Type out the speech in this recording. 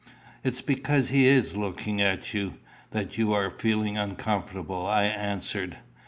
"It is because he is looking at you that you are feeling uncomfortable," I answered.